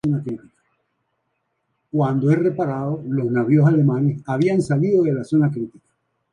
Cuando es reparado, los navíos alemanes habían salido de la zona crítica.